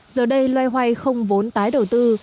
giờ đây loay hoay không vốn tái đầu tư